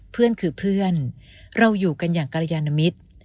เพื่อนคือเพื่อนเราอยู่กันอย่างกรยานมิตร